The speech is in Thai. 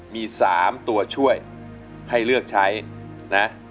มี๓ตัวช่วยให้เลือกใช้นะ